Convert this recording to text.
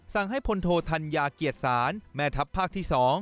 สั่งให้พลโทธัญญาเกียรติศาลแม่ทัพภาคที่๒